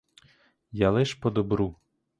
Я лиш по добру.